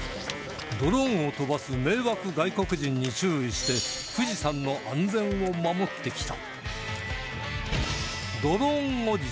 ドローンを飛ばす迷惑外国人に注意して富士山の安全を守ってきた